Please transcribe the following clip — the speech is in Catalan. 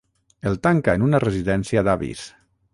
El tanca en una residència d'avis.